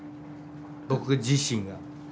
僕自身が。